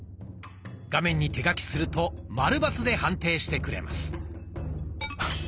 画面に手書きするとマルバツで判定してくれます。